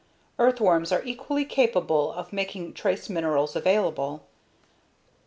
Earthworms are equally capable of making trace minerals available.